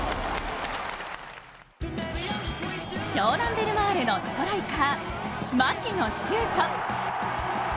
湘南ベルマーレのストライカー、町野修斗。